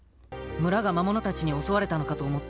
ムラが魔物たちに襲われたのかと思って。